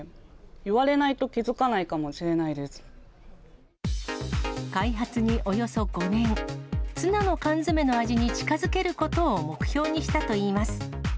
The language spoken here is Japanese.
言われないと気付かないかもしれ開発におよそ５年、ツナの缶詰の味に近づけることを目標にしたといいます。